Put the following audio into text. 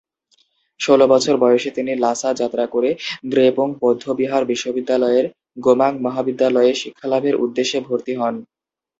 ষোল বছর বয়সে তিনি লাসা যাত্রা করে দ্রেপুং বৌদ্ধবিহার বিশ্ববিদ্যালয়ের গোমাং মহাবিদ্যালয়ে শিক্ষালাভের উদ্দেশ্যে ভর্তি হন।